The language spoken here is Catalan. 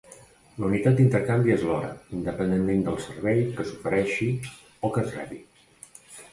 La unitat d'intercanvi és l'hora, independentment del servei que s'ofereixi o que es rebi.